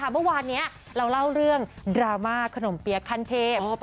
เมื่อวานนี้เราเล่าเรื่องดราม่าขนมเปี๊ยกขั้นเทพ